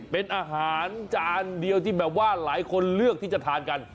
เป็นอาหารจานเดียวที่แบบว่าหลายคนเลือกที่จะทานกัน